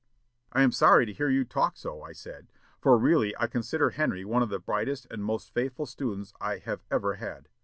"'I am sorry to hear you talk so,' I said; 'for really I consider Henry one of the brightest and most faithful students I have ever had.